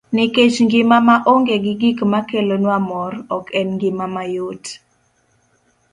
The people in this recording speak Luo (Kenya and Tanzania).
Nikech ngima ma onge gi gik ma kelonwa mor, ok en ngima mayot.